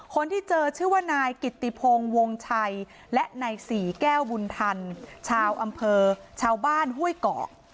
คนที่เจอชื่อว่านายกิตติพงศ์วงชัยและนายศรีแก้วบุญธรรมชาวอำเภอชาวบ้านห้วยเกาะ